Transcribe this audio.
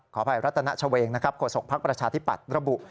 ขออภัยประชาธิปัตย์โฆษกภักดิ์ประชาธิปัตย์ระบุ